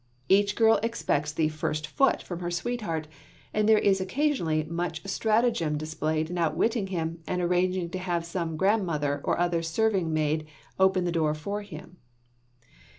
Each girl expects the "first foot" from her sweetheart and there is occasionally much stratagem displayed in outwitting him and arranging to have some grandmother or serving maid open the door for him.